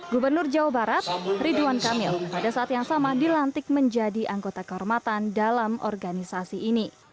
gubernur jawa barat ridwan kamil pada saat yang sama dilantik menjadi anggota kehormatan dalam organisasi ini